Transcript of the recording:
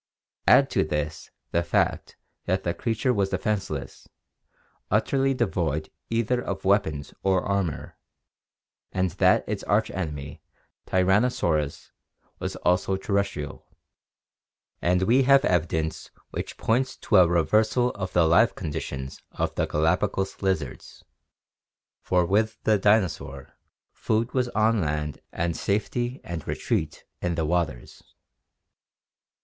Add to this the fact that the creature was defenseless, utterly devoid either of weapons or armor, and that its arch enemy Tyrannosaarus was also terrestrial, and we have evidence which points to a reversal of the life conditions of the Galapagos lizards, for with the dinosaur food was on land and safety and retreat in the waters.